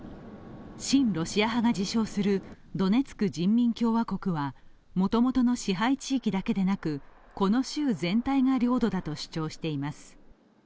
親ロシア派が自称するドネツク人民共和国はもともとの支配地域だけでなくこの州全体が領土だと主張しています。